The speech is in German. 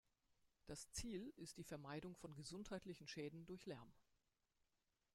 Das Ziel ist die Vermeidung von gesundheitlichen Schäden durch Lärm.